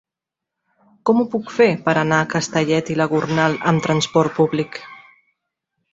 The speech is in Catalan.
Com ho puc fer per anar a Castellet i la Gornal amb trasport públic?